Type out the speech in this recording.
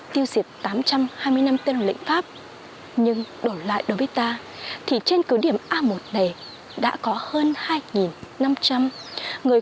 tiêu diệt tám trăm hai mươi năm tên lệnh pháp nhưng đổi lại đối với ta thì trên cứ điểm a một này đã có hơn hai năm trăm linh người